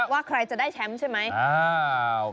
ว่าใครจะได้แชมป์ใช่ไหม